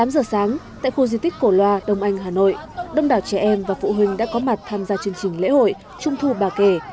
tám giờ sáng tại khu di tích cổ loa đông anh hà nội đông đảo trẻ em và phụ huynh đã có mặt tham gia chương trình lễ hội trung thu bà kể